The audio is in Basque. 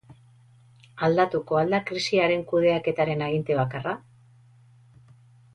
Aldatuko al da krisiaren kudeaketaren aginte bakarra?